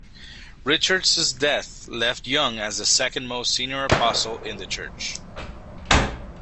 Richards's death left Young as the second-most senior apostle in the church.